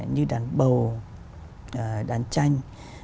như đàn bầu đàn tranh